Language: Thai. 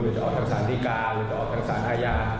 จะออกทางสารดีการหรือออกทางสารอาญา